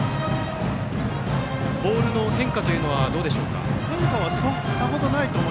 ボールの変化はどうでしょうか。